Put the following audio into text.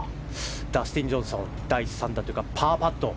ダスティン・ジョンソン第３打のパーパット。